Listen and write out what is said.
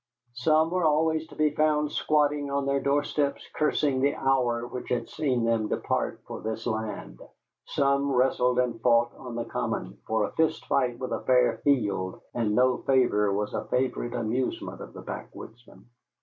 Some were always to be found squatting on their door steps cursing the hour which had seen them depart for this land; some wrestled and fought on the common, for a fist fight with a fair field and no favor was a favorite amusement of the backwoodsmen.